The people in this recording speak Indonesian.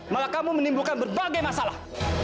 malah kamu menimbulkan berbagai masalah